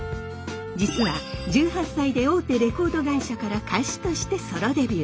実は１８歳で大手レコード会社から歌手としてソロデビュー。